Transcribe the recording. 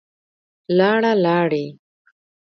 لاړه, لاړې